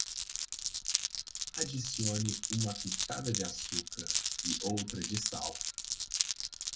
Adicione uma pitada de açúcar e outra de sal.